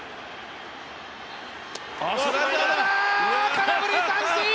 空振り三振！